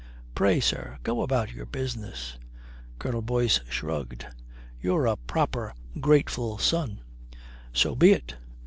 Pray, sir, go about your business." Colonel Boyce shrugged. "You're a proper grateful son. So be it.